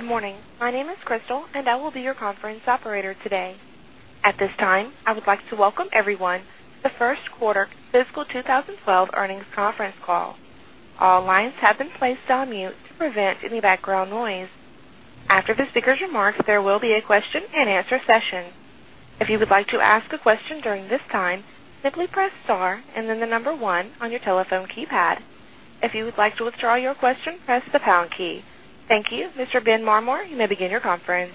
Good morning. My name is Crystal, and I will be your conference operator today. At this time, I would like to welcome everyone to The First Quarter Fiscal 2012 Earnings Conference Call. All lines have been placed on mute to prevent any background noise. After the speaker's remarks, there will be a question and answer session. If you would like to ask a question during this time, simply press star and then the number one on your telephone keypad. If you would like to withdraw your question, press the pound key. Thank you. Mr. Ben Marmor, you may begin your conference.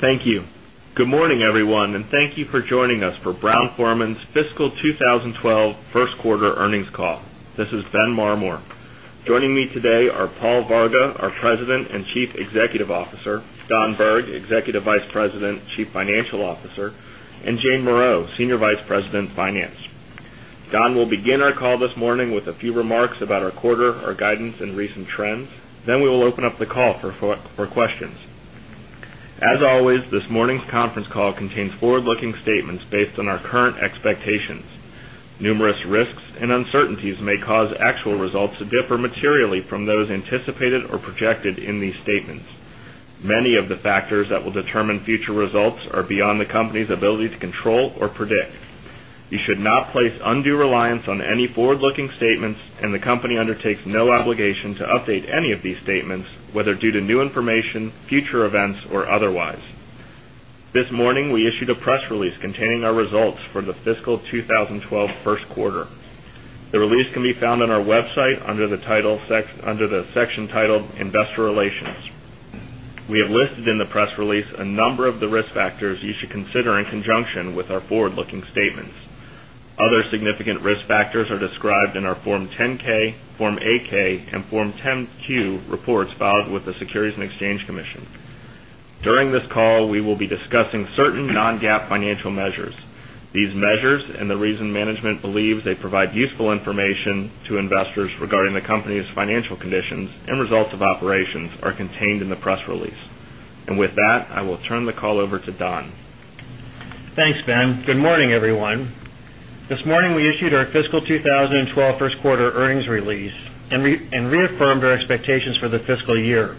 Thank you. Good morning, everyone, and thank you for joining us for Brown-Forman Fiscal 2012 First Quarter Earnings Call. This is Ben Marmor. Joining me today are Paul Varga, our President and Chief Executive Officer; Don Berg, Executive Vice President, Chief Financial Officer; and Jane Morreau, Senior Vice President, Finance. Don will begin our call this morning with a few remarks about our quarter, our guidance, and recent trends. We will open up the call for questions. As always, this morning's conference call contains forward-looking statements based on our current expectations. Numerous risks and uncertainties may cause actual results to differ materially from those anticipated or projected in these statements. Many of the factors that will determine future results are beyond the company's ability to control or predict. You should not place undue reliance on any forward-looking statements, and the company undertakes no obligation to update any of these statements, whether due to new information, future events, or otherwise. This morning, we issued a press release containing our results for the fiscal 2012 first quarter. The release can be found on our website under the section titled Investor Relations. We have listed in the press release a number of the risk factors you should consider in conjunction with our forward-looking statements. Other significant risk factors are described in our Form 10-K, Form A-K, and Form 10-Q reports filed with the Securities and Exchange Commission. During this call, we will be discussing certain non-GAAP financial measures. These measures and the reason management believes they provide useful information to investors regarding the company's financial condition and results of operations are contained in the press release. With that, I will turn the call over to Don. Thanks, Ben. Good morning, everyone. This morning, we issued our fiscal 2012 first quarter earnings release and reaffirmed our expectations for the fiscal year.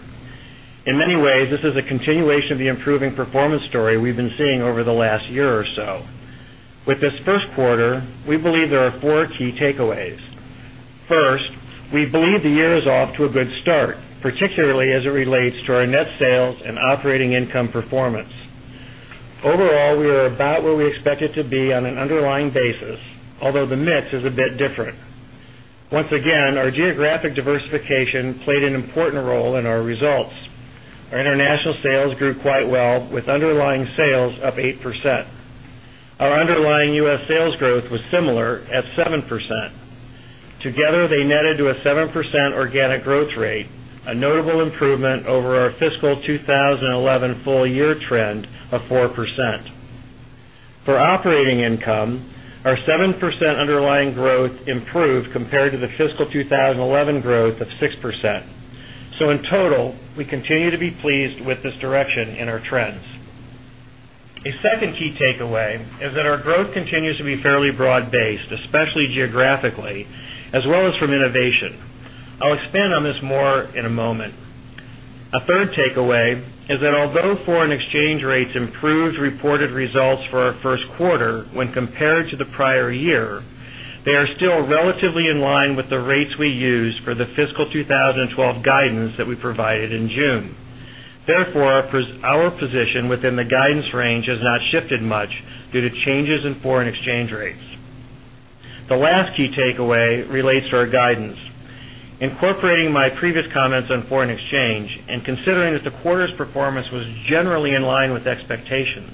In many ways, this is a continuation of the improving performance story we've been seeing over the last year or so. With this first quarter, we believe there are four key takeaways. First, we believe the year is off to a good start, particularly as it relates to our net sales and operating income performance. Overall, we are about where we expected to be on an underlying basis, although the mix is a bit different. Once again, our geographic diversification played an important role in our results. Our international sales grew quite well, with underlying sales up 8%. Our underlying U.S. sales growth was similar at 7%. Together, they netted to a 7% organic growth rate, a notable improvement over our fiscal 2011 full-year trend of 4%. For operating income, our 7% underlying growth improved compared to the fiscal 2011 growth of 6%. In total, we continue to be pleased with this direction in our trends. A second key takeaway is that our growth continues to be fairly broad-based, especially geographically, as well as from innovation. I'll expand on this more in a moment. A third takeaway is that although foreign exchange rates improved reported results for our first quarter when compared to the prior year, they are still relatively in line with the rates we use for the fiscal 2012 guidance that we provided in June. Therefore, our position within the guidance range has not shifted much due to changes in foreign exchange rates. The last key takeaway relates to our guidance. Incorporating my previous comments on foreign exchange and considering that the quarter's performance was generally in line with expectations,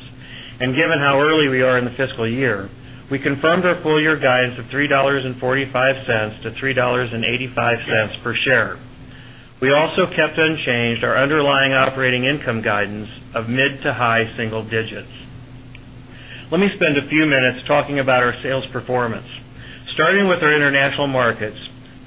and given how early we are in the fiscal year, we confirmed our full-year guidance of $3.45 - $3.85 per share. We also kept unchanged our underlying operating income guidance of mid- to high-single-digit growth. Let me spend a few minutes talking about our sales performance. Starting with our international markets,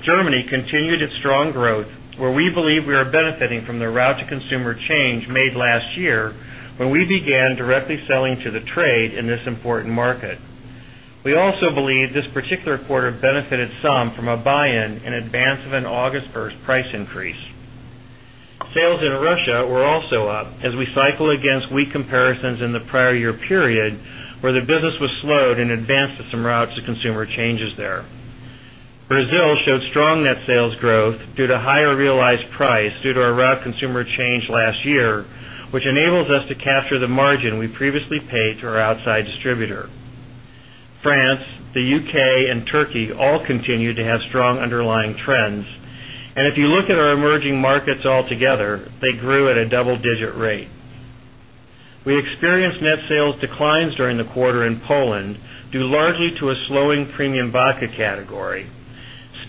Germany continued its strong growth, where we believe we are benefiting from the route to consumer change made last year when we began directly selling to the trade in this important market. We also believe this particular quarter benefited some from a buy-in in advance of an August 1st price increase. Sales in Russia were also up as we cycled against weak comparisons in the prior year period, where the business was slowed in advance of some routes to consumer changes there. Brazil showed strong net sales growth due to higher realized price due to our route consumer change last year, which enables us to capture the margin we previously paid to our outside distributor. France, the U.K., and Turkey all continued to have strong underlying trends. If you look at our emerging markets altogether, they grew at a double-digit rate. We experienced net sales declines during the quarter in Poland, due largely to a slowing premium VAT category.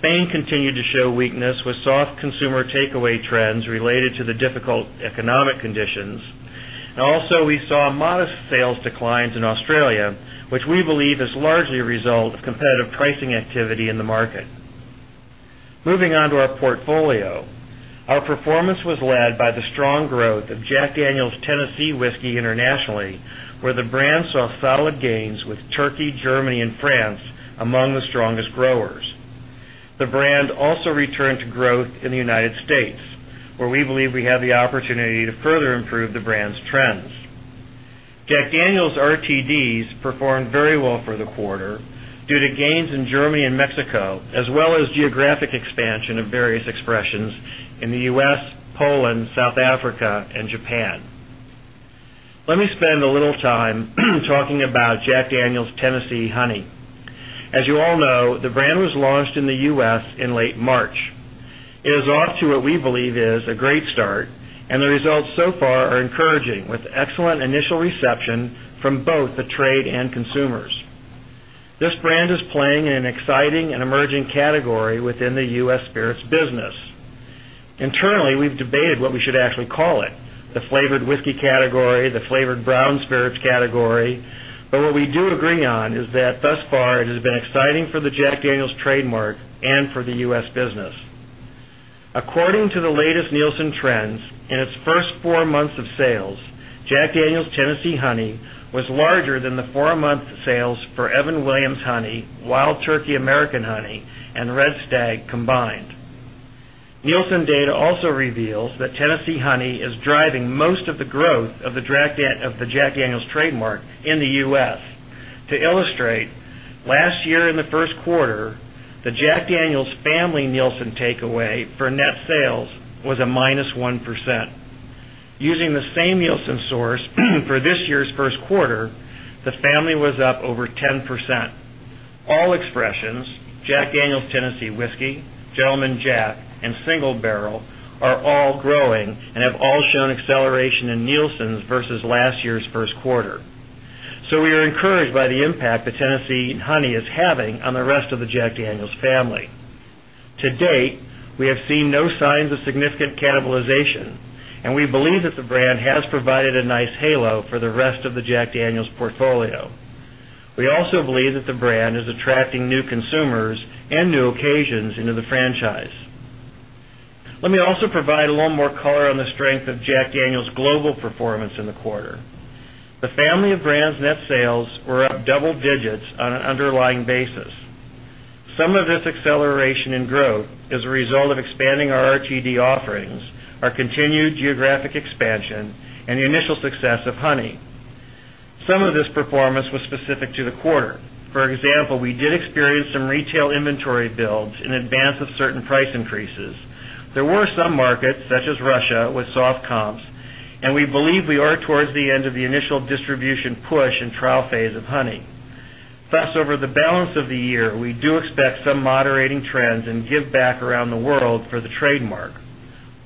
Spain continued to show weakness with soft consumer takeaway trends related to the difficult economic conditions. We saw modest sales declines in Australia, which we believe is largely a result of competitive pricing activity in the market. Moving on to our portfolio, our performance was led by the strong growth of Jack Daniel's Tennessee Whiskey internationally, where the brand saw solid gains with Turkey, Germany, and France among the strongest growers. The brand also returned to growth in the U.S., where we believe we have the opportunity to further improve the brand's trends. Jack Daniel's RTDs performed very well for the quarter due to gains in Germany and Mexico, as well as geographic expansion of various expressions in the U.S., Poland, South Africa, and Japan. Let me spend a little time talking about Jack Daniel's Tennessee Honey. As you all know, the brand was launched in the U.S. in late March. It is off to what we believe is a great start, and the results so far are encouraging with excellent initial reception from both the trade and consumers. This brand is playing in an exciting and emerging category within the U.S. spirits business. Internally, we've debated what we should actually call it: the flavored whiskey category, the flavored brown spirits category. What we do agree on is that thus far it has been exciting for the Jack Daniel's trademark and for the U.S. business. According to the latest Nielsen trends, in its first four months of sales, Jack Daniel's Tennessee Honey was larger than the four-month sales for Evan Williams Honey, Wild Turkey American Honey, and Red Stag combined. Nielsen data also reveals that Tennessee Honey is driving most of the growth of the Jack Daniel's trademark in the U.S. To illustrate, last year in the first quarter, the Jack Daniel's family Nielsen takeaway for net sales was a - 1%. Using the same Nielsen source for this year's first quarter, the family was up over 10%. All expressions: Jack Daniel's Tennessee Whiskey, Gentleman Jack, and Single Barrel are all growing and have all shown acceleration in Nielsen's versus last year's first quarter. We are encouraged by the impact the Tennessee Honey is having on the rest of the Jack Daniel's family. To date, we have seen no signs of significant cannibalization, and we believe that the brand has provided a nice halo for the rest of the Jack Daniel's portfolio. We also believe that the brand is attracting new consumers and new occasions into the franchise. Let me also provide a little more color on the strength of Jack Daniel's global performance in the quarter. The family of brands' net sales were up double digits on an underlying basis. Some of this acceleration in growth is a result of expanding our RTD offerings, our continued geographic expansion, and the initial success of Honey. Some of this performance was specific to the quarter. For example, we did experience some retail inventory builds in advance of certain price increases. There were some markets, such as Russia, with soft comps, and we believe we are towards the end of the initial distribution push and trial phase of Honey. Over the balance of the year, we do expect some moderating trends and give back around the world for the trademark.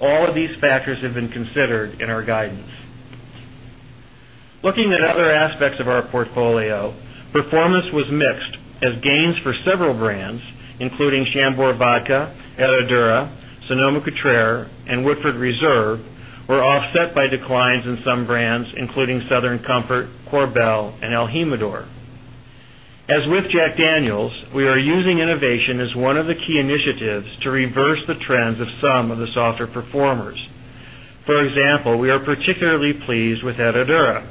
All of these factors have been considered in our guidance. Looking at other aspects of our portfolio, performance was mixed as gains for several brands, including Chambord, Vodka, Herradura, Sonoma-Cutrer, and Woodford Reserve, were offset by declines in some brands, including Southern Comfort, Korbel, and El Jimador. As with Jack Daniel's, we are using innovation as one of the key initiatives to reverse the trends of some of the softer performers. For example, we are particularly pleased with Herradura.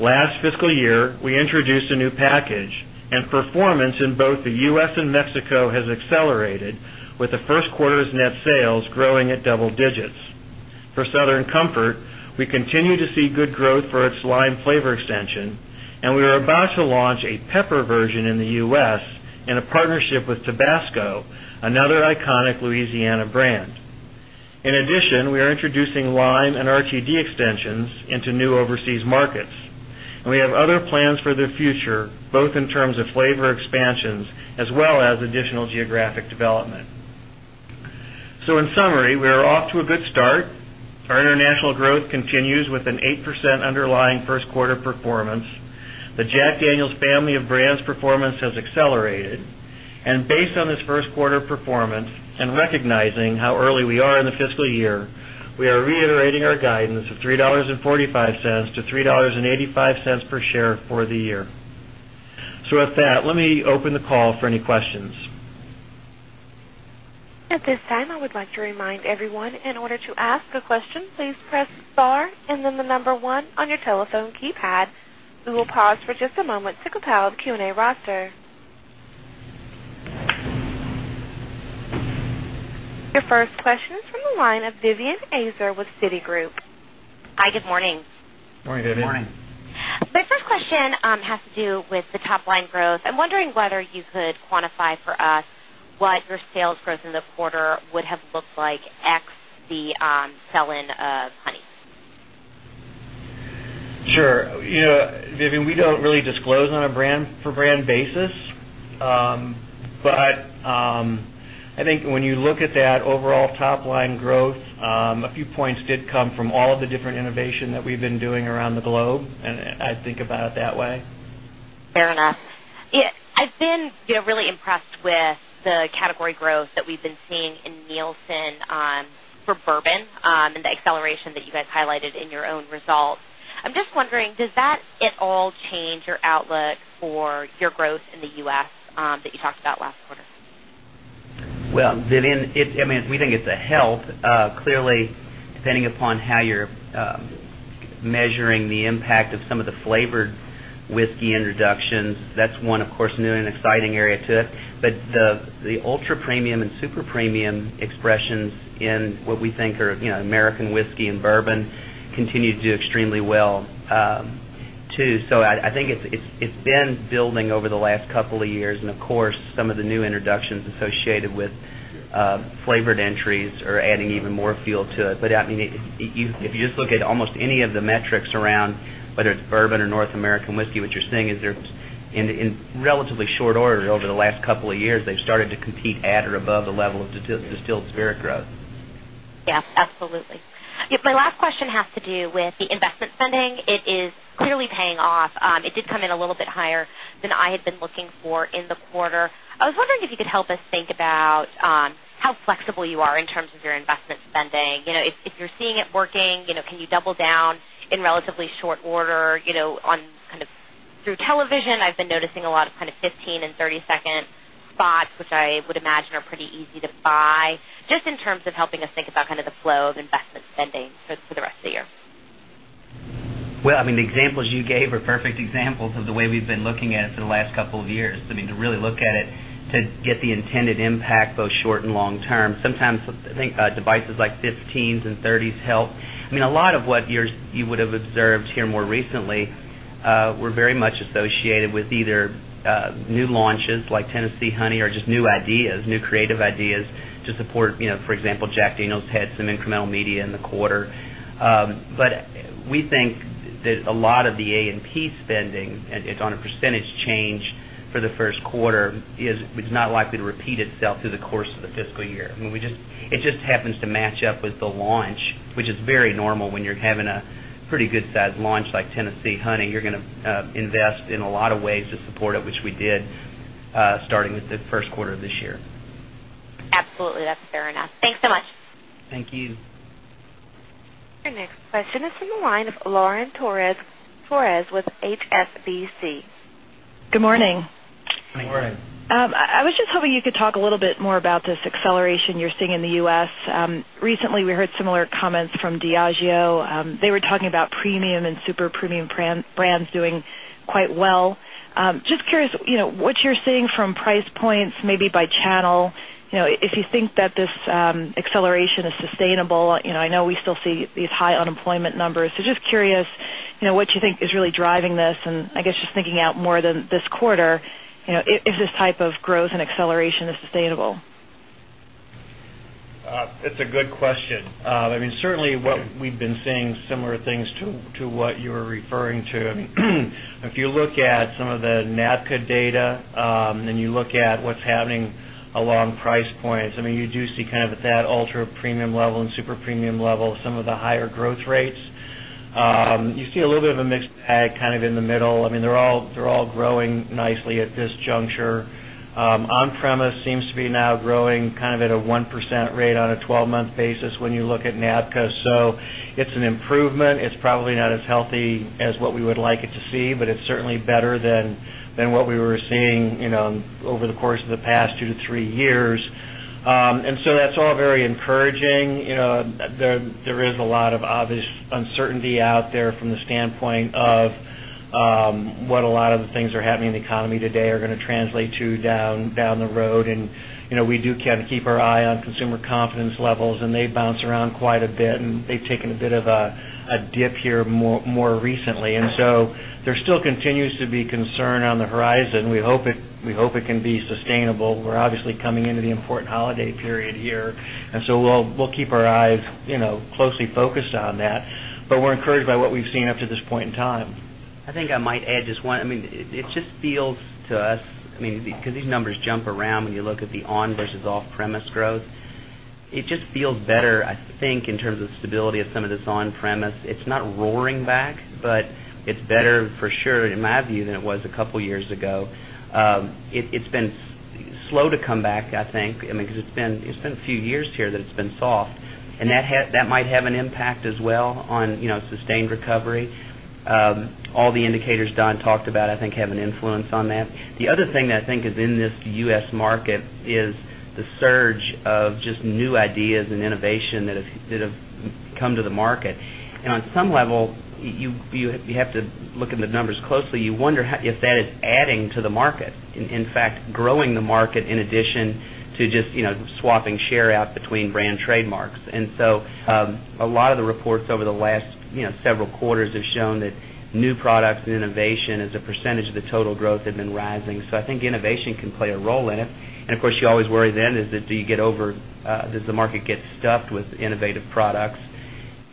Last fiscal year, we introduced a new package, and performance in both the U.S. and Mexico has accelerated, with the first quarter's net sales growing at double digits. For Southern Comfort, we continue to see good growth for its lime flavor extension, and we are about to launch a pepper version in the U.S. in a partnership with Tabasco, another iconic Louisiana brand. In addition, we are introducing lime and RTD extensions into new overseas markets. We have other plans for the future, both in terms of flavor expansions as well as additional geographic development. In summary, we are off to a good start. Our international growth continues with an 8% underlying first quarter performance. The Jack Daniel's family of brands' performance has accelerated. Based on this first quarter performance and recognizing how early we are in the fiscal year, we are reiterating our guidance of $3.45 - $3.85 per share for the year. With that, let me open the call for any questions. At this time, I would like to remind everyone, in order to ask a question, please press star and then the number one on your telephone keypad. We will pause for just a moment to compile the Q&A roster. Your first question is from the line of Vivian Azer with Citigroup. Hi, good morning. Morning, Vivian. Good morning. My first question has to do with the top line growth. I'm wondering whether you could quantify for us what your sales growth in the quarter would have looked like ex the selling of honeys. Sure. You know, Vivian, we don't really disclose on a brand-for-brand basis. I think when you look at that overall top line growth, a few points did come from all of the different innovation that we've been doing around the globe. I think about it that way. Fair enough. Yeah, I've been really impressed with the category growth that we've been seeing in Nielsen for bourbon and the acceleration that you guys highlighted in your own result. I'm just wondering, does that at all change your outlook for your growth in the U.S. that you talked about last quarter? Vivian, I mean, we think it's a health. Clearly, depending upon how you're measuring the impact of some of the flavored whiskey introductions, that's one, of course, new and exciting area too. The ultra-premium and super-premium expressions in what we think are American whiskey and bourbon continue to do extremely well too. I think it's been building over the last couple of years. Of course, some of the new introductions associated with flavored entries are adding even more fuel to it. I mean, if you just look at almost any of the metrics around whether it's bourbon or North American whiskey, what you're seeing is in relatively short order over the last couple of years, they've started to compete at or above the level of distilled spirit growth. Yes, absolutely. My last question has to do with the investment spending. It is clearly paying off. It did come in a little bit higher than I had been looking for in the quarter. I was wondering if you could help us think about how flexible you are in terms of your investment spending. If you're seeing it working, can you double down in relatively short order on kind of through television? I've been noticing a lot of kind of 15 and 30-second spots, which I would imagine are pretty easy to buy, just in terms of helping us think about kind of the flow of investment spending for the rest of the year. The examples you gave are perfect examples of the way we've been looking at it for the last couple of years. I mean, to really look at it to get the intended impact both short and long term. Sometimes I think devices like 15s and 30s help. A lot of what you would have observed here more recently were very much associated with either new launches like Jack Daniel's Tennessee Honey or just new ideas, new creative ideas to support. For example, Jack Daniel's had some incremental media in the quarter. We think that a lot of the A&P spending, and it's on a % change for the first quarter, is not likely to repeat itself through the course of the fiscal year. It just happens to match up with the launch, which is very normal when you're having a pretty good-sized launch like Jack Daniel's Tennessee Honey. You're going to invest in a lot of ways to support it, which we did starting with the first quarter of this year. Absolutely. That's fair enough. Thanks so much. Thank you. Our next question is from the line of Lauren Torres with HSBC. Good morning. Morning. Good morning. I was just hoping you could talk a little bit more about this acceleration you're seeing in the U.S. Recently, we heard similar comments from Diageo. They were talking about premium and super-premium brands doing quite well. Just curious what you're seeing from price points, maybe by channel. If you think that this acceleration is sustainable, I know we still see these high unemployment numbers. Just curious what you think is really driving this. I guess just thinking out more than this quarter, if this type of growth and acceleration is sustainable. It's a good question. Certainly what we've been seeing is similar things to what you were referring to. If you look at some of the NABCA data and you look at what's happening along price points, you do see kind of at that ultra-premium level and super-premium level some of the higher growth rates. You see a little bit of a mixed bag kind of in the middle. They're all growing nicely at this juncture. On-premise seems to be now growing kind of at a 1% rate on a 12-month basis when you look at NABCA. It's an improvement. It's probably not as healthy as what we would like it to see, but it's certainly better than what we were seeing over the course of the past two to three years. That's all very encouraging. There is a lot of obvious uncertainty out there from the standpoint of what a lot of the things that are happening in the economy today are going to translate to down the road. We do kind of keep our eye on consumer confidence levels, and they bounce around quite a bit. They've taken a bit of a dip here more recently. There still continues to be concern on the horizon. We hope it can be sustainable. We're obviously coming into the important holiday period here. We'll keep our eyes closely focused on that. We're encouraged by what we've seen up to this point in time. I think I might add just one. It just feels to us, because these numbers jump around when you look at the on versus off-premise growth. It just feels better, I think, in terms of the stability of some of this on-premise. It's not roaring back, but it's better for sure in my view than it was a couple of years ago. It's been slow to come back, I think, because it's been a few years here that it's been soft. That might have an impact as well on sustained recovery. All the indicators Don talked about, I think, have an influence on that. The other thing that I think is in this U.S. market is the surge of just new ideas and innovation that have come to the market. On some level, you have to look at the numbers closely. You wonder if that is adding to the market, in fact, growing the market in addition to just swapping share out between brand trademarks. A lot of the reports over the last several quarters have shown that new products and innovation as a percentage of the total growth have been rising. I think innovation can play a role in it. Of course, you always worry then, do you get over, does the market get stuffed with innovative products?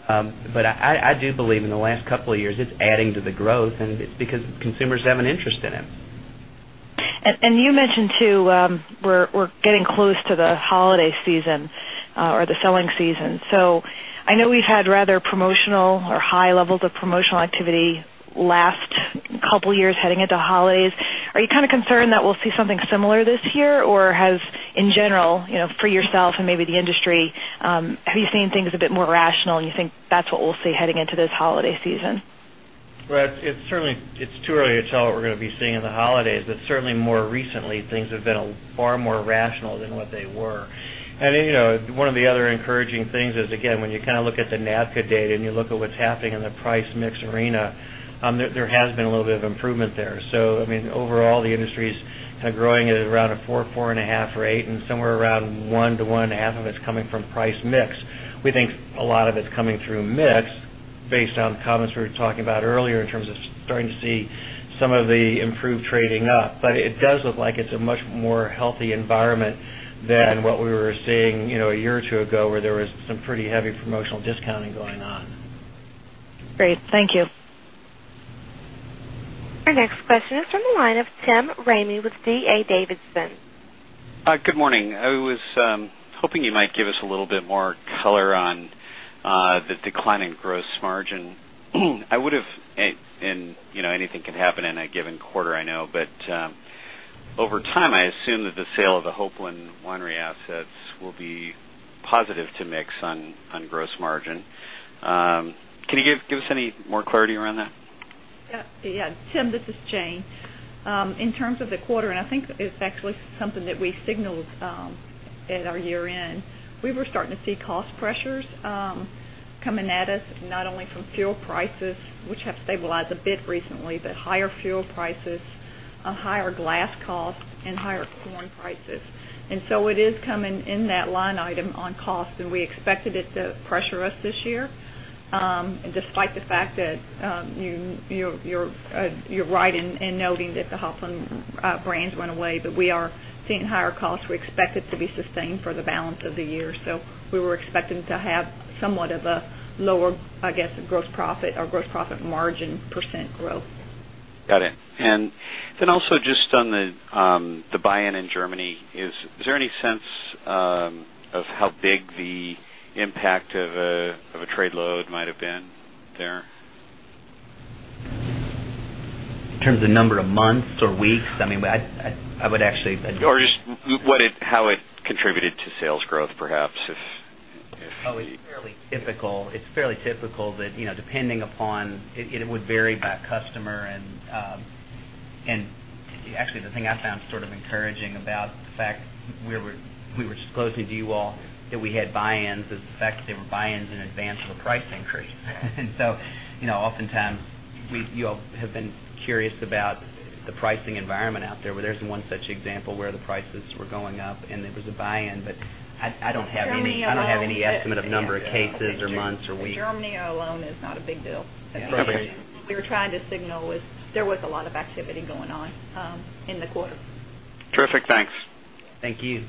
I do believe in the last couple of years, it's adding to the growth because consumers have an interest in it. You mentioned too, we're getting close to the holiday season or the selling season. I know we've had rather promotional or high levels of promotional activity the last couple of years heading into the holidays. Are you kind of concerned that we'll see something similar this year? Has, in general, for yourself and maybe the industry, have you seen things a bit more rational and you think that's what we'll see heading into this holiday season? It's certainly too early to tell what we're going to be seeing in the holidays. Certainly, more recently, things have been far more rational than what they were. One of the other encouraging things is, again, when you kind of look at the NABCA data and you look at what's happening in the price/mix arena, there has been a little bit of improvement there. I mean, overall, the industry is kind of growing at around a 4%, 4.5% rate and somewhere around 1% to 1.5% of it's coming from price/mix. We think a lot of it's coming through mix based on comments we were talking about earlier in terms of starting to see some of the improved trading up. It does look like it's a much more healthy environment than what we were seeing a year or two ago where there was some pretty heavy promotional discounting going on. Great. Thank you. Our next question is from the line of Tim Ramey with D.A. Davidson. Good morning. I was hoping you might give us a little bit more color on the decline in gross margin. I know anything could happen in a given quarter. Over time, I assume that the sale of the Hopeland Winery assets will be positive to mix on gross margin. Can you give us any more clarity around that? Yeah. Yeah. Tim, this is Jane. In terms of the quarter, and I think it's actually something that we signaled at our year-end, we were starting to see cost pressures coming at us, not only from fuel prices, which have stabilized a bit recently, but higher fuel prices, higher glass costs, and higher corn prices. It is coming in that line item on cost, and we expected it to pressure us this year. Despite the fact that you're right in noting that the Hopeland brands went away, we are seeing higher costs. We expect it to be sustained for the balance of the year. We were expecting to have somewhat of a lower, I guess, gross profit or gross profit margin % growth. Got it. Also, just on the buy-in in Germany, is there any sense of how big the impact of a trade load might have been there? In terms of the number of months or weeks, I mean, I would actually. Or just how it contributed to sales growth, perhaps. Oh, it's fairly typical. It's fairly typical that, you know, depending upon, it would vary by customer. Actually, the thing I found sort of encouraging about the fact we were disclosing to you all that we had buy-ins is the fact that they were buy-ins in advance of a price increase. You know, oftentimes, you all have been curious about the pricing environment out there, where there's one such example where the prices were going up and there was a buy-in. I don't have any estimate of number of cases or months or weeks. Germany alone is not a big deal. That's right. What we were trying to signal was there was a lot of activity going on in the quarter. Terrific. Thanks. Thank you.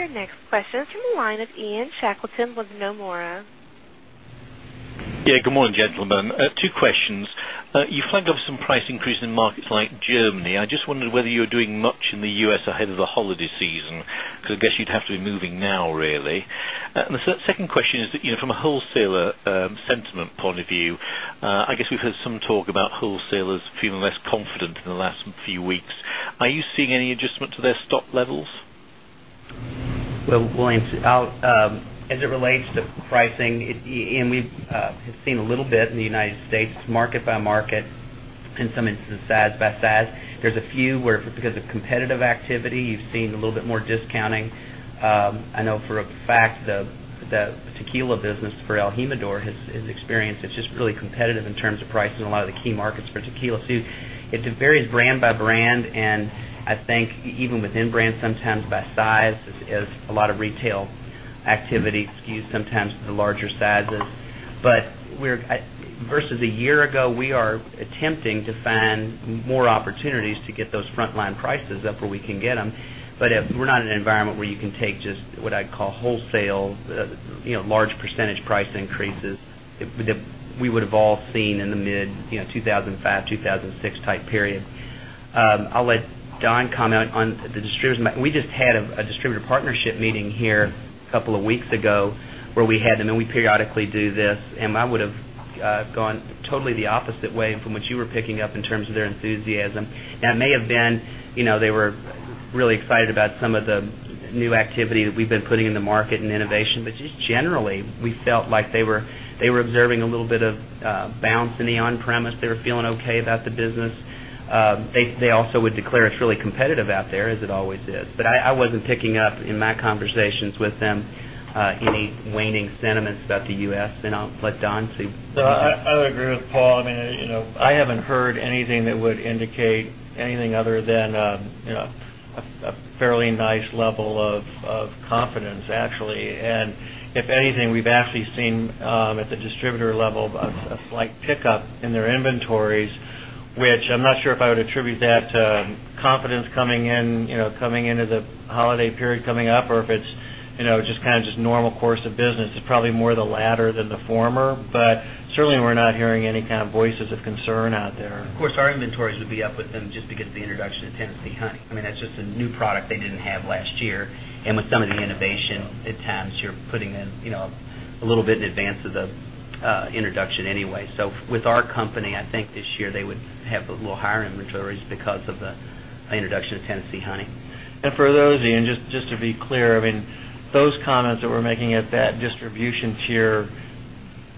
Our next question is from the line of Ian Shackleton with Nomura. Yeah. Good morning, gentlemen. Two questions. You flagged off some price increase in markets like Germany. I just wondered whether you're doing much in the U.S. ahead of the holiday season because I guess you'd have to be moving now, really. The second question is that, you know, from a wholesaler sentiment point of view, I guess we've heard some talk about wholesalers feeling less confident in the last few weeks. Are you seeing any adjustment to their stock levels? As it relates to the pricing, we have seen a little bit in the U.S. It's market by market. In some instances, size by size. There's a few where, because of competitive activity, you've seen a little bit more discounting. I know for a fact that the tequila business for el Jimador has experienced it's just really competitive in terms of pricing in a lot of the key markets for tequila. It varies brand by brand. I think even within brands, sometimes by size, as a lot of retail activity skews sometimes the larger sizes. Versus a year ago, we are attempting to find more opportunities to get those frontline prices up where we can get them. If we're not in an environment where you can take just what I'd call wholesale, you know, large percentage price increases that we would have all seen in the mid-2005, 2006 type period. I'll let Don comment on the distributors. We just had a distributor partnership meeting here a couple of weeks ago where we had them. We periodically do this. I would have gone totally the opposite way from what you were picking up in terms of their enthusiasm. That may have been, you know, they were really excited about some of the new activity that we've been putting in the market and innovation. Just generally, we felt like they were observing a little bit of bounce in the on-premise. They were feeling OK about the business. They also would declare it's really competitive out there, as it always is. I wasn't picking up in my conversations with them any waning sentiments about the U.S. I'll let Don speak. I would agree with Paul. I mean, I haven't heard anything that would indicate anything other than a fairly nice level of confidence, actually. If anything, we've actually seen at the distributor level a slight pickup in their inventories, which I'm not sure if I would attribute that to confidence coming into the holiday period coming up, or if it's just kind of just normal course of business. It's probably more the latter than the former. Certainly, we're not hearing any kind of voices of concern out there. Of course, our inventories would be up with them just because of the introduction of Jack Daniel's Tennessee Honey. I mean, that's just a new product they didn't have last year. With some of the innovation at times, you're putting in a little bit in advance of the introduction anyway. With our company, I think this year they would have a little higher inventories because of the introduction of Jack Daniel's Tennessee Honey. For those, Ian, just to be clear, those comments that we're making at that distribution tier,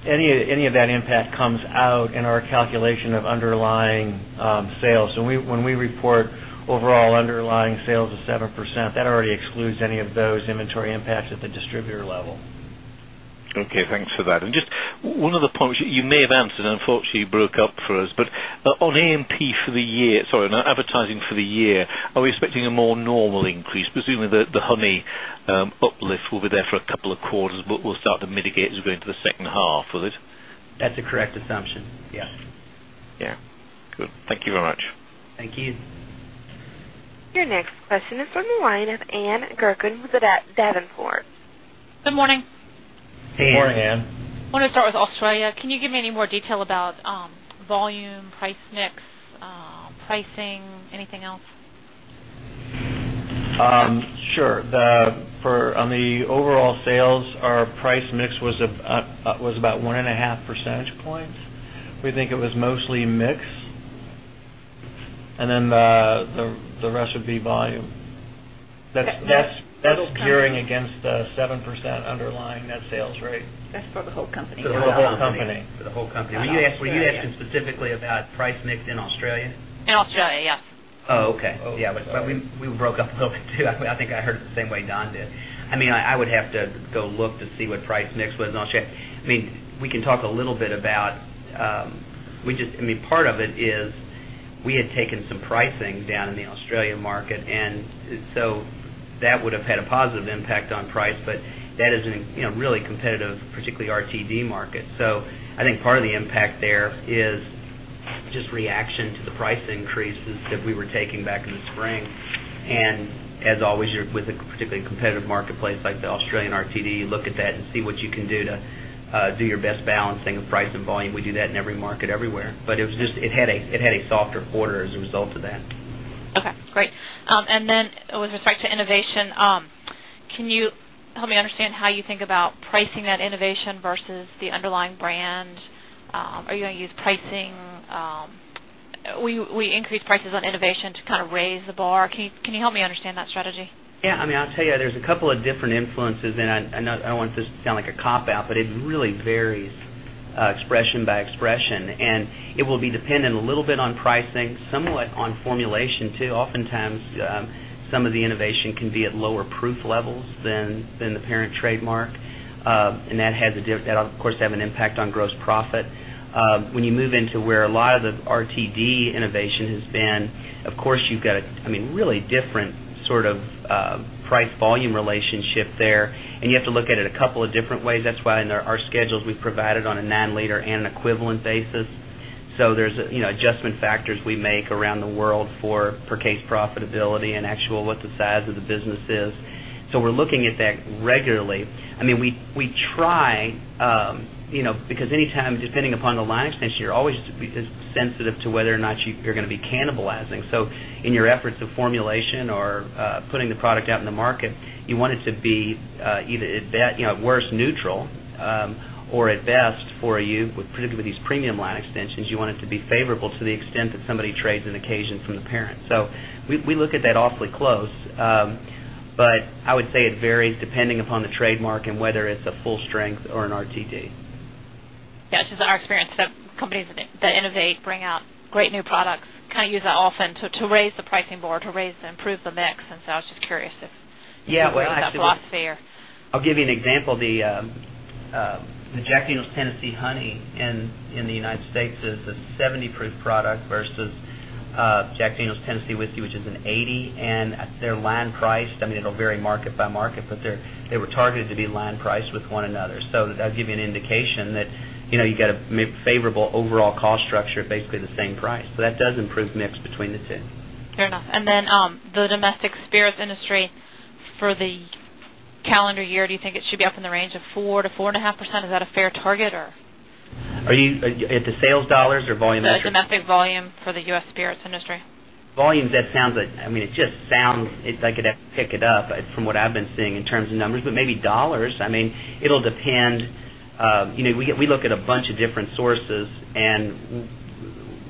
any of that impact comes out in our calculation of underlying sales. When we report overall underlying sales of 7%, that already excludes any of those inventory impacts at the distributor level. OK, thanks for that. Just one of the points you may have answered, unfortunately, you broke up for us. On advertising for the year, are we expecting a more normal increase, presuming that the honey uplift will be there for a couple of quarters, but we'll start to mitigate as we go into the second half of it? That's a correct assumption. Yeah. Good. Thank you very much. Thank you. Your next question is from the line of Ann Gurkin with Davenport. Good morning. Good morning, Ann. I want to start with Australia. Can you give me any more detail about volume, price/mix, pricing, anything else? Sure. On the overall sales, our price/mix was about 1.5 percentage points. We think it was mostly mix, and the rest would be volume. That's gearing against the 7% underlying net sales rate. That's for the whole company. For the whole company. Were you asking specifically about price/mix in Australia? In Australia, yes. Oh, OK. Yeah, we broke up a little bit too. I think I heard it the same way Don did. I would have to go look to see what price/mix was in Australia. We can talk a little bit about, we just, part of it is we had taken some pricing down in the Australia market. That would have had a positive impact on price. That is a really competitive, particularly RTD market. I think part of the impact there is just reaction to the price increases that we were taking back in the spring. As always, with a particularly competitive marketplace like the Australian RTD, look at that and see what you can do to do your best balancing of price and volume. We do that in every market everywhere. It had a softer quarter as a result of that. OK, that's great. With respect to innovation, can you help me understand how you think about pricing that innovation versus the underlying brand? Are you going to use pricing? We increase prices on innovation to kind of raise the bar. Can you help me understand that strategy? Yeah, I mean, I'll tell you, there's a couple of different influences. I don't want this to sound like a cop-out, but it really varies expression by expression. It will be dependent a little bit on pricing, somewhat on formulation too. Oftentimes, some of the innovation can be at lower proof levels than the parent trademark, and that has, of course, to have an impact on gross profit. When you move into where a lot of the RTD innovation has been, of course, you've got a really different sort of price volume relationship there. You have to look at it a couple of different ways. That's why in our schedules, we've provided on a non-liter and an equivalent basis. There are adjustment factors we make around the world for case profitability and actual what the size of the business is. We're looking at that regularly. We try, you know, because anytime, depending upon the line extension, you're always sensitive to whether or not you're going to be cannibalizing. In your efforts of formulation or putting the product out in the market, you want it to be either at worst neutral or at best for you, particularly with these premium line extensions, you want it to be favorable to the extent that somebody trades an occasion from the parent. We look at that awfully close. I would say it varies depending upon the trademark and whether it's a full strength or an RTD. Yeah, it's just our experience that companies that innovate, bring out great new products, kind of use that often to raise the pricing board, to raise and improve the mix. I was just curious if you have a philosophy. I'll give you an example. The Jack Daniel's Tennessee Honey in the U.S. is a 70 proof product versus Jack Daniel's Tennessee Whiskey, which is an 80. They're land priced. I mean, it'll vary market by market, but they were targeted to be land priced with one another. That'll give you an indication that you've got a favorable overall cost structure at basically the same price. That does improve mix between the two. Fair enough. The domestic spirits industry for the calendar year, do you think it should be up in the range of 4% - 4.5%? Is that a fair target? Are you at the sales dollars or volume? The domestic volume for the U.S. spirits industry. Volumes, that sounds like, I mean, it just sounds like it has to pick it up from what I've been seeing in terms of numbers. Maybe dollars. I mean, it'll depend. We look at a bunch of different sources.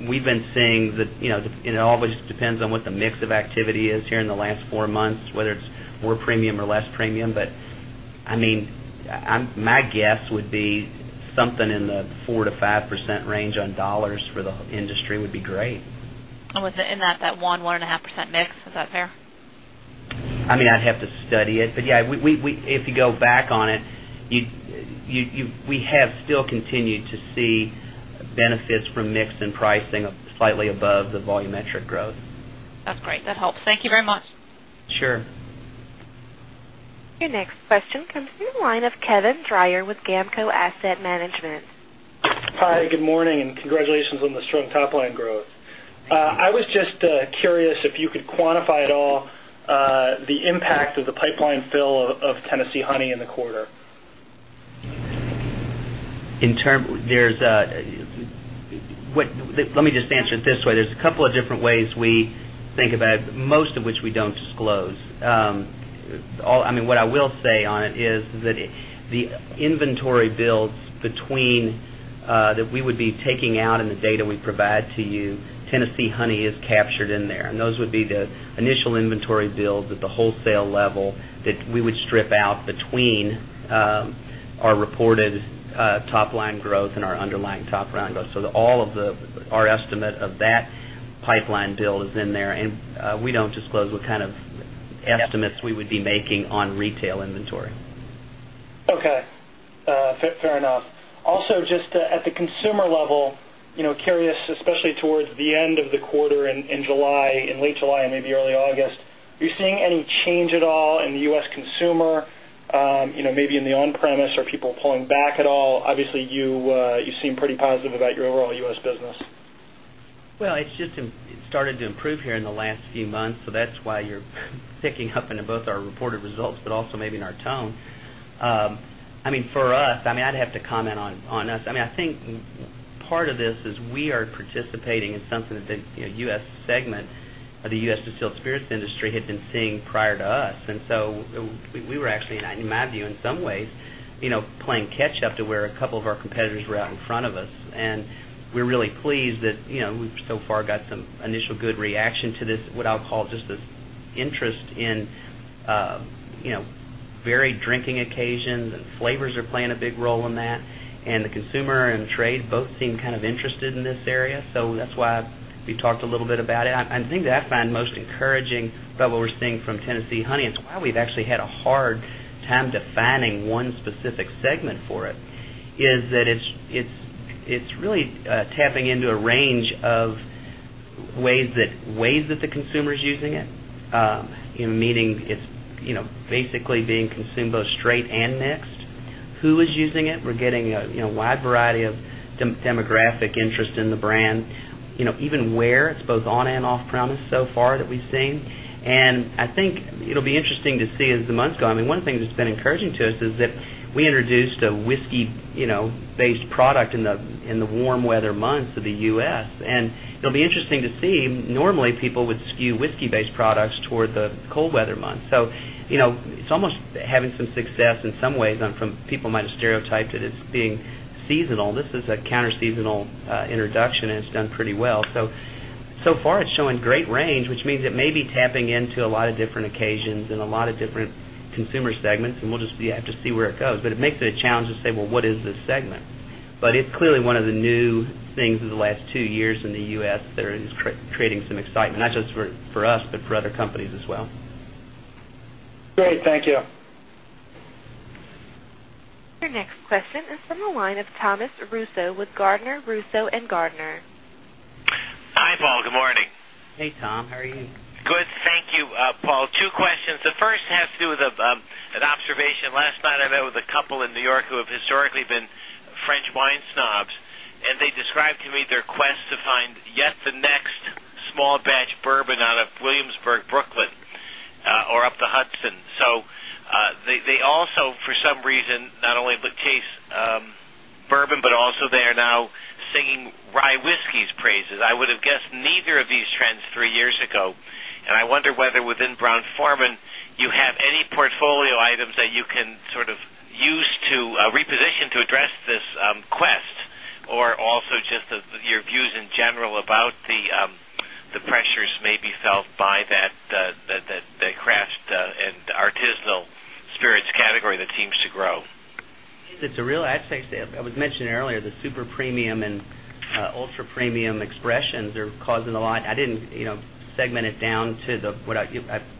We've been seeing that it always depends on what the mix of activity is here in the last four months, whether it's more premium or less premium. My guess would be something in the 4% - 5% range on dollars for the industry would be great. Within that 1%, 1.5% mix, is that fair? I'd have to study it. If you go back on it, we have still continued to see benefits from mix and pricing slightly above the volumetric growth. That's great. That helps. Thank you very much. Sure. Your next question comes from the line of Kevin Dreyer with GAMCO Asset Management. Hi. Good morning. Congratulations on the strong top line growth. I was just curious if you could quantify at all the impact of the pipeline fill of Tennessee Honey in the quarter. Let me just answer it this way. There are a couple of different ways we think about it, most of which we don't disclose. What I will say on it is that the inventory builds that we would be taking out in the data we provide to you, Tennessee Honey is captured in there. Those would be the initial inventory builds at the wholesale level that we would strip out between our reported top line growth and our underlying top line growth. All of our estimate of that pipeline build is in there. We don't disclose what kind of estimates we would be making on retail inventory. OK, fair enough. Also, just at the consumer level, you know, curious, especially towards the end of the quarter in July, in late July and maybe early August, are you seeing any change at all in the U.S. consumer? Maybe in the on-premise, are people pulling back at all? Obviously, you seem pretty positive about your overall U.S. business. It has just started to improve here in the last few months. That is why you are picking up in both our reported results, but also maybe in our tone. For us, I would have to comment on us. I think part of this is we are participating in something that the U.S. segment of the U.S. distilled spirits industry had been seeing prior to us. We were actually, in my view, in some ways, playing catch-up to where a couple of our competitors were out in front of us. We are really pleased that we have so far got some initial good reaction to this, what I will call just this interest in varied drinking occasions. Flavors are playing a big role in that. The consumer and trade both seem kind of interested in this area. That is why we talked a little bit about it. The thing that I find most encouraging about what we are seeing from Tennessee Honey is why we have actually had a hard time defining one specific segment for it is that it is really tapping into a range of ways that the consumer is using it, meaning it is basically being consumed both straight and mixed. Who is using it? We are getting a wide variety of demographic interest in the brand, even where it is both on and off-premise so far that we have seen. I think it will be interesting to see as the months go. One of the things that has been encouraging to us is that we introduced a whiskey-based product in the warm weather months of the U.S. It will be interesting to see. Normally, people would skew whiskey-based products toward the cold weather months. It is almost having some success in some ways from people might have stereotyped it as being seasonal. This is a counter-seasonal introduction, and it has done pretty well. So far, it is showing great range, which means it may be tapping into a lot of different occasions and a lot of different consumer segments. We will just have to see where it goes. It makes it a challenge to say, what is the segment? It is clearly one of the new things of the last two years in the U.S. that is creating some excitement, not just for us, but for other companies as well. Great. Thank you. Your next question is from the line of Thomas Russo with Gardner Russo and Gardner. Hi, Paul. Good morning. Hey, Tom. How are you? Good. Thank you, Paul. Two questions. The first has to do with an observation. Last night, I met with a couple in New York who have historically been French wine snobs. They described to me their quest to find yet the next small batch bourbon out of Williamsburg, Brooklyn, or up the Hudson. They also, for some reason, not only chase bourbon, but also they are now singing rye whiskey's praises. I would have guessed neither of these trends three years ago. I wonder whether within Brown-Forman, you have any portfolio items that you can sort of use to reposition to address this quest or also just your views in general about the pressures maybe felt by that craft and artisanal spirits category that seems to grow. It's a real edge case. I was mentioning earlier the super-premium and ultra-premium expressions are causing a lot. I didn't segment it down to what I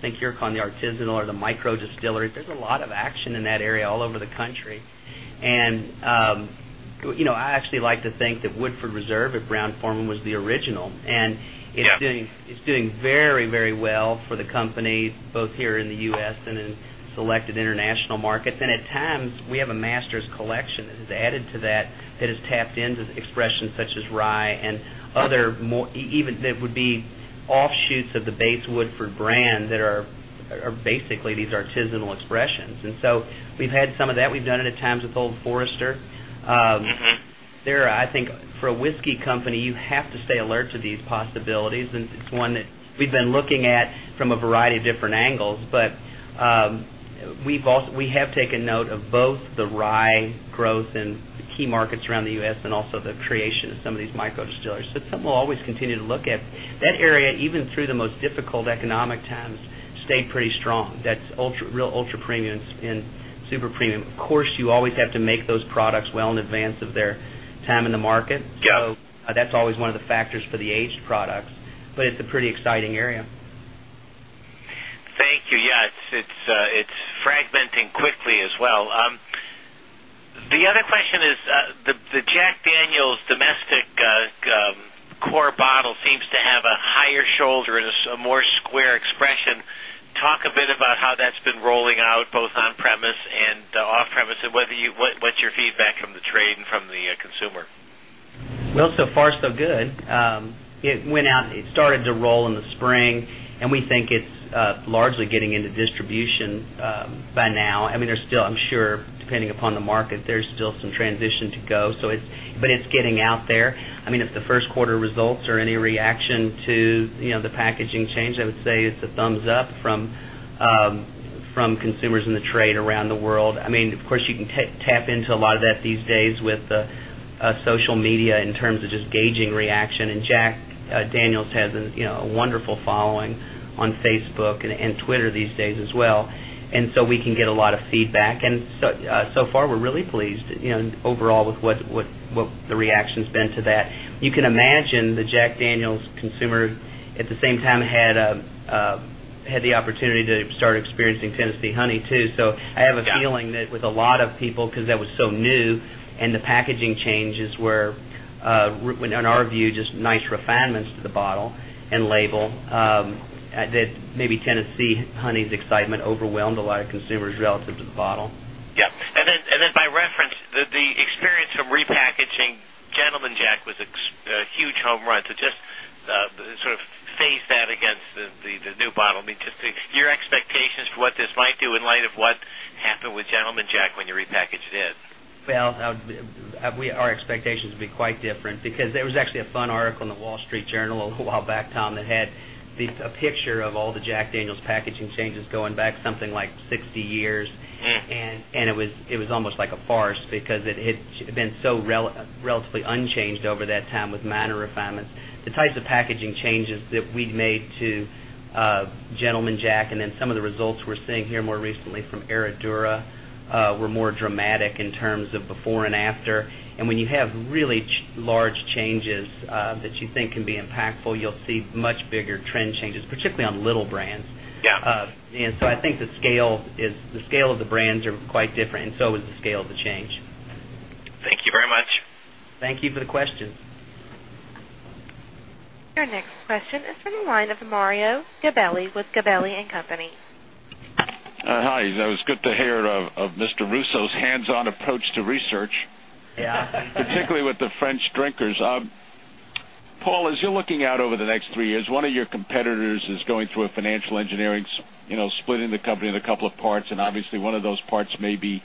think you're calling the artisanal or the micro distillers. There's a lot of action in that area all over the country. I actually like to think that Woodford Reserve at Brown-Forman was the original. It's doing very, very well for the company, both here in the U.S. and in selected international markets. At times, we have a Master's Collection that has added to that, that has tapped into expressions such as rye and other even that would be offshoots of the base Woodford Reserve brand that are basically these artisanal expressions. We've had some of that. We've done it at times with Old Forester. I think for a whiskey company, you have to stay alert to these possibilities. It's one that we've been looking at from a variety of different angles. We have taken note of both the rye growth in key markets around the U.S. and also the creation of some of these micro distillers. Some will always continue to look at that area, even through the most difficult economic times, stayed pretty strong. That's real ultra-premium and super-premium. Of course, you always have to make those products well in advance of their time in the market. That's always one of the factors for the aged products. It's a pretty exciting area. Thank you. Yeah, it's fragmenting quickly as well. The other question is the Jack Daniel's domestic core bottle seems to have a higher shoulder and a more square expression. Talk a bit about how that's been rolling out both on-premise and off-premise, and what's your feedback from the trade and from the consumer? So far, so good. It went out. It started to roll in the spring, and we think it's largely getting into distribution by now. I mean, there's still, I'm sure, depending upon the market, some transition to go, but it's getting out there. If the first quarter results are any reaction to the packaging change, I would say it's a thumbs up from consumers in the trade around the world. Of course, you can tap into a lot of that these days with social media in terms of just gauging reaction. Jack Daniel's has a wonderful following on Facebook and Twitter these days as well, so we can get a lot of feedback. So far, we're really pleased overall with what the reaction's been to that. You can imagine the Jack Daniel's consumer at the same time had the opportunity to start experiencing Jack Daniel's Tennessee Honey too. I have a feeling that with a lot of people, because that was so new and the packaging changes were, in our view, just nice refinements to the bottle and label, maybe Jack Daniel's Tennessee Honey's excitement overwhelmed a lot of consumers relative to the bottle. Yeah. By reference, the experience from repackaging Gentleman Jack was a huge home run. Just sort of face that against the new bottle. I mean, just your expectations for what this might do in light of what happened with Gentleman Jack when you repackaged it. Our expectations would be quite different because there was actually a fun article in The Wall Street Journal a little while back, Tom, that had a picture of all the Jack Daniel's packaging changes going back something like 60 years. It was almost like a farce because it had been so relatively unchanged over that time with minor refinements. The types of packaging changes that we'd made to Gentleman Jack and then some of the results we're seeing here more recently from Herradura were more dramatic in terms of before and after. When you have really large changes that you think can be impactful, you'll see much bigger trend changes, particularly on little brands. I think the scale of the brands are quite different, and so is the scale of the change. Thank you very much. Thank you for the question. Your next question is from the line of Mario Gabelli with Gabelli & Company. Hi. It was good to hear of Mr. Russo's hands-on approach to research, yeah, particularly with the French drinkers. Paul, as you're looking out over the next three years, one of your competitors is going through a financial engineering, you know, splitting the company into a couple of parts. Obviously, one of those parts may be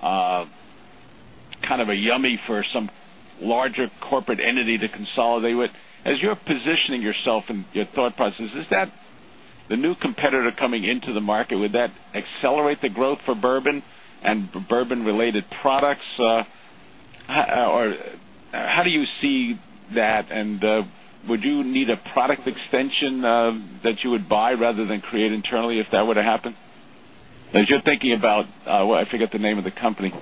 kind of a yummy for some larger corporate entity to consolidate with. As you're positioning yourself and your thought process, is that the new competitor coming into the market, would that accelerate the growth for bourbon and bourbon-related products? How do you see that? Would you need a product extension that you would buy rather than create internally if that were to happen? As you're thinking about, I forget the name of the company.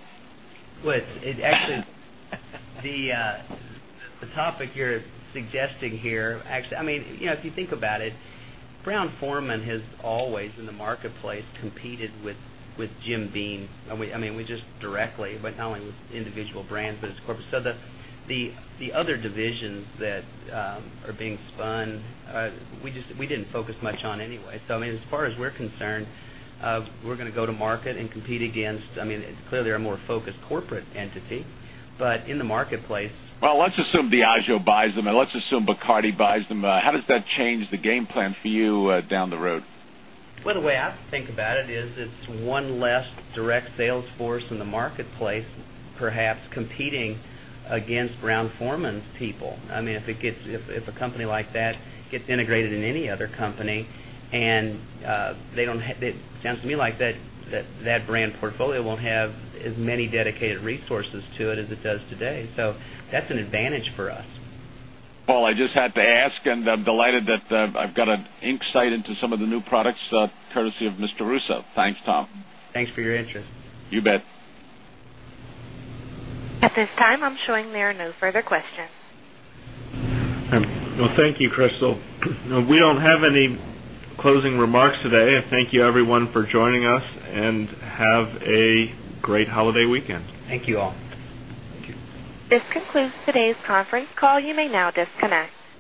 It's actually the topic you're suggesting here, actually. I mean, you know, if you think about it, Brown-Forman has always in the marketplace competed with Jim Beam. I mean, we just directly, but not only with individual brands, but as corporate. The other divisions that are being spun, we just didn't focus much on anyway. As far as we're concerned, we're going to go to market and compete against, I mean, clearly, a more focused corporate entity in the marketplace. Assume Diageo buys them. Assume Bacardi buys them. How does that change the game plan for you down the road? The way I think about it is it's one less direct sales force in the marketplace perhaps competing against Brown-Forman's people. I mean, if a company like that gets integrated in any other company, it sounds to me like that brand portfolio won't have as many dedicated resources to it as it does today. That's an advantage for us. Paul, I just had to ask. I'm delighted that I've got an insight into some of the new products courtesy of Mr. Russo. Thanks, Tom. Thanks for your interest. You bet. At this time, I'm showing there are no further questions. Thank you, Crystal. We don't have any closing remarks today. Thank you, everyone, for joining us, and have a great holiday weekend. Thank you all. Thank you. This concludes today's conference call. You may now disconnect.